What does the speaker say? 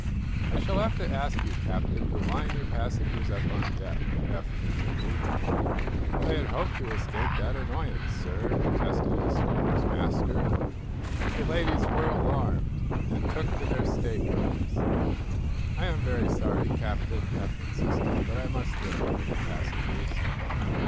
"I shall have to ask you, Captain, to line your passengers up on deck," Eph continued. "I had hoped to escape that annoyance, sir," protested the schooner's master. "The ladies were alarmed, and took to their staterooms." "I am very sorry, Captain," Eph insisted, "but I must look over the passengers."